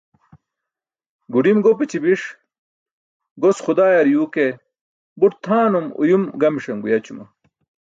Guḍim gopaći biṣ, gos xudaayar yuu ke but tʰaanum/uyum gamiṣan guyaćuma.